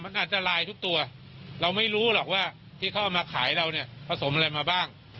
มันอาจจะลายทุกตัวเราไม่รู้หรอกว่าที่เขาเอามาขายเราเนี่ยผสมอะไรมาบ้าง